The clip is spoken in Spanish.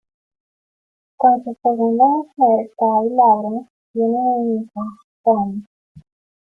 Con su segunda mujer, Kay Lawrence, tienen un hijo, Tom.